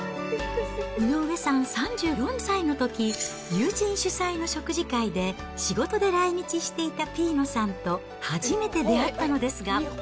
井上さん３４歳のとき、友人主催の食事会で、仕事で来日していたピーノさんと初めて出会ったのですが。